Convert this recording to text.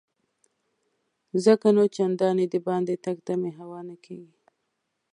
ځکه نو چنداني دباندې تګ ته مې هوا نه کیږي.